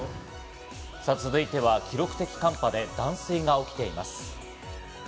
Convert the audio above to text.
続いては、記録的寒波で断水が起きています。